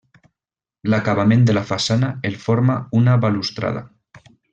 L'acabament de la façana el forma una balustrada.